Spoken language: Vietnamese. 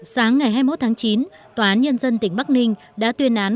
sáng ngày hai mươi một tháng chín tòa án nhân dân tỉnh bắc ninh đã tuyên án